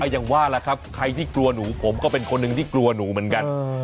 อย่างว่าล่ะครับใครที่กลัวหนูผมก็เป็นคนหนึ่งที่กลัวหนูเหมือนกัน